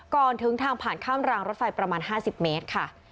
ก่อนถึงทางผ่านข้ามรางรถไฟประมาณ๕๐เมตรค่ะ